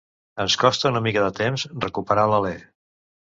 Ens costa una mica de temps recuperar l'alè.